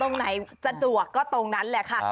ตรงไหนจะจวกก็ตรงนั้นแหละค่ะ